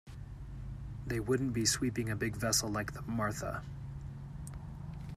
They wouldn't be sweeping a big vessel like the Martha.